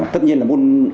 tất nhiên là môn